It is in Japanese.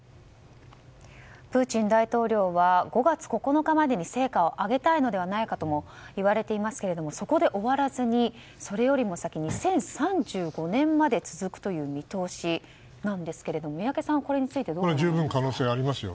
プーチン大統領は５月９日までに成果を上げたいのではないかともいわれていますけどもそこで終わらずに、それよりも先２０３５年まで続くという見通しなんですけども宮家さん、これについてどう思われますか。